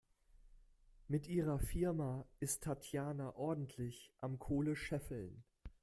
Mit ihrer Firma ist Tatjana ordentlich am Kohle scheffeln.